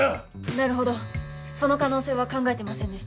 なるほどその可能性は考えていませんでした。